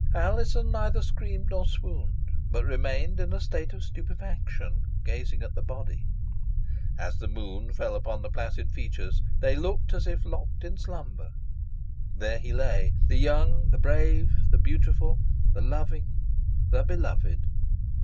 Alizon neither screamed nor swooned, but remained in a state of stupefaction, gazing at the body. As the moon fell upon the placid features, they looked as if locked in slumber. There he lay the young, the brave, the beautiful, the loving, the beloved.